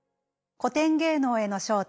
「古典芸能への招待」。